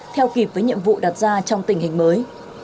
theo kịp với nhiệm vụ đặt ra trong tình hình mới